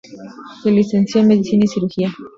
Se licenció en medicina y cirugía.